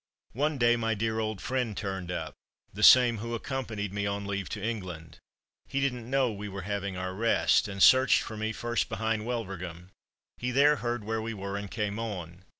One day, my dear old friend turned up, the same who accompanied me on leave to England. He didn't know we were having our rest, and searched for me first behind Wulverghem. He there heard where we were, and came on.